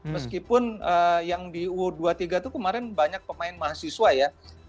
meskipun yang di u dua puluh tiga itu kemarin banyak pemain mahasiswa ya